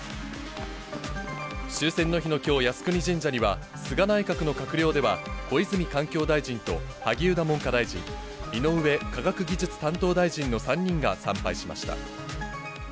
終戦の日のきょう、靖国神社には、菅内閣の閣僚では、小泉環境大臣と萩生田文科大臣、井上科学技術担当大臣の３人が参拝しました。